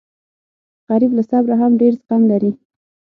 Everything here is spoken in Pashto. غریب له صبره هم ډېر زغم لري